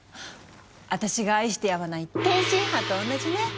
私が愛してやまない天津飯と同じね。